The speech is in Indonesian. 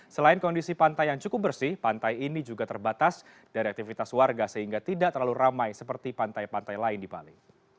selain kondisi pantai yang cukup bersih pantai ini juga terbatas dari aktivitas warga sehingga tidak terlalu ramai seperti pantai pantai lain di bali